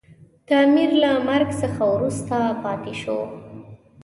د امیر له مرګ څخه وروسته پاته شو.